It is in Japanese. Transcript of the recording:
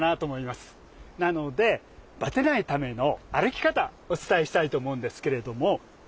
なのでバテないための歩き方お伝えしたいと思うんですけれども。